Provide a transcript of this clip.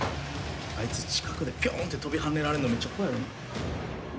・あいつ近くでピョンって跳びはねられるのめっちゃ怖いやろう。